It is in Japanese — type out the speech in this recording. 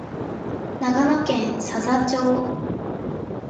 長崎県佐々町